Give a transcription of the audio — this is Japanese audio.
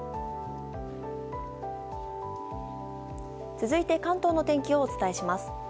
続いて関東の天気をお伝えします。